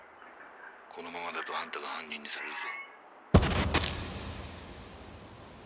このままだとあんたが犯人にされるぞ